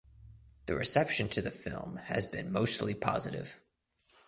The reception to the film has been mostly positive.